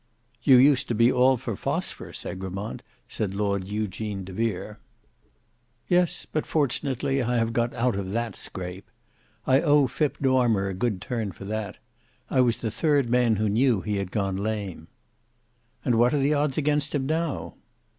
"You used to be all for Phosphorus, Egremont," said Lord Eugene de Vere. "Yes; but fortunately I have got out of that scrape. I owe Phip Dormer a good turn for that. I was the third man who knew he had gone lame." "And what are the odds against him now."